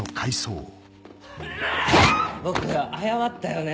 僕謝ったよね